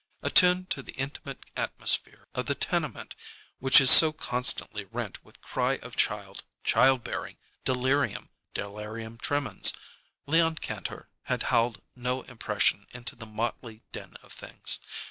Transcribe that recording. Attuned to the intimate atmosphere of the tenement which is so constantly rent with cry of child, child bearing, delirium, delirium tremens, Leon Kantor had howled no impression into the motley din of things.